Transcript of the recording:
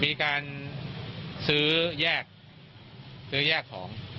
มีการซื้อแยกซื้อแยกของ